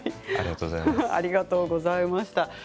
ありがとうございます。